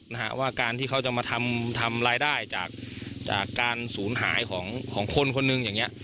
นะฮะว่าการที่เขาจะมาทำทำรายได้จากจากการศูนย์หายของของคนคนหนึ่งอย่างเงี้